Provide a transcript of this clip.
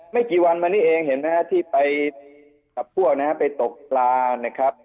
ไม่กี่วันมานี่เองเห็นไหมฮะที่ไปกับพวกนะฮะไปตกปลานะครับ